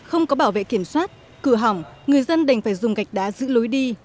không có bảo vệ kiểm soát cửa hỏng người dân đành phải dùng gạch đá giữ lối đi